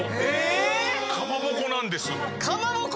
えっ！？かまぼこなんです。